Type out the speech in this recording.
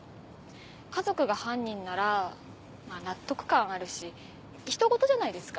家族が犯人なら納得感あるし人ごとじゃないですか。